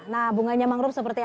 nah bunganya mangrove seperti